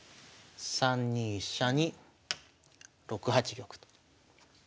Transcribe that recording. ３二飛車に６八玉と。